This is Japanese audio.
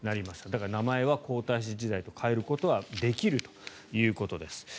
だから名前は皇太子時代と変えることはできるということです。